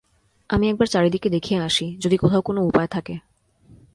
আমি একবার চারিদিকে দেখিয়া আসি যদি কোথাও কোনো উপায় থাকে।